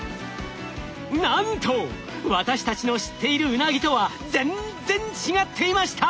なんと私たちの知っているウナギとは全然違っていました！